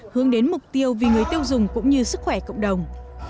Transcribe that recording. hướng đến mục tiêu vì người tiêu dùng cũng như sức khỏe cộng đồng